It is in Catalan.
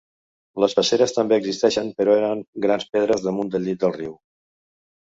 Les passeres també existien però eren grans pedres damunt del llit del riu.